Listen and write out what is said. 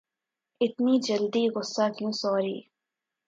اتنی جلدی غصہ کیوں سوری